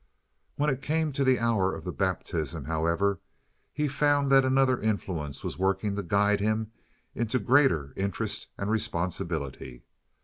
When it came to the hour of the baptism, however, he found that another influence was working to guide him into greater interest and responsibility.